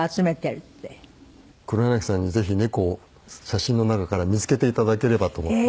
黒柳さんにぜひ猫を写真の中から見つけて頂ければと思って。